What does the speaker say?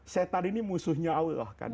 setan ini musuhnya allah